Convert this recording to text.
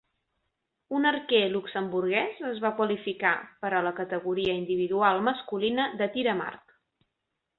Un arquer luxemburguès es va qualificar per a la categoria individual masculina de tir amb arc.